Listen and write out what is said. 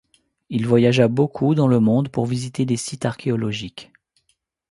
Il voyagea beaucoup dans le monde pour visiter des sites archéologiques.